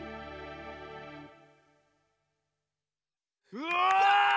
うわ！